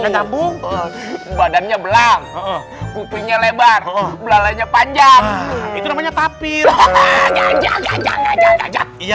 ngambung badannya belam kupinya lebar belalanya panjang itu namanya tapi gajak gajak gajak iya